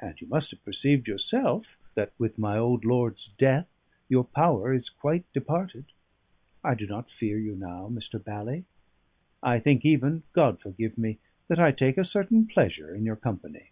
"And you must have perceived yourself that with my old lord's death your power is quite departed. I do not fear you now, Mr. Bally; I think even God forgive me that I take a certain pleasure in your company."